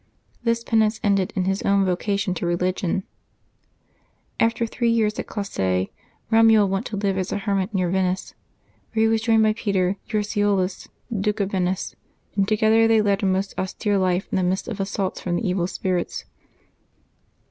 This penance ended in his own vocation to religion. After three years at Classe, Eomuald went to live as a hermit near Venice, where he was joined by Peter Urseolus, Duke of Venice, and together they led a most austere life in the midst of assaults from the evil spirits.